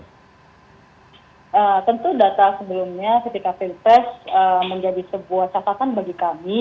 tentu data sebelumnya ketika pilpres menjadi sebuah catatan bagi kami